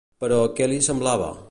Però, què li semblava?